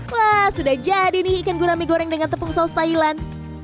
wah sudah jadi nih ikan gunami goreng dengan tepung saus thailand